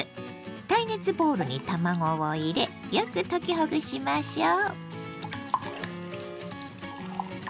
耐熱ボウルに卵を入れよく溶きほぐしましょう。